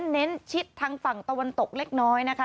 เน้นชิดทางฝั่งตะวันตกเล็กน้อยนะคะ